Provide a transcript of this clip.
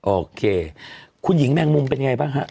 โอเคคุณหญิงแมงมุมเป็นไงบ้างฮะ